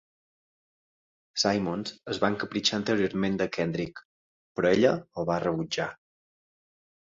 Simmons es va encapritxar anteriorment de Kendrick, però ella el va rebutjar.